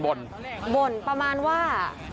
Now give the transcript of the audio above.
บ่นประมาณว่า